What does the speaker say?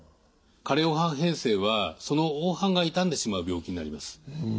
加齢黄斑変性はその黄斑が傷んでしまう病気になります。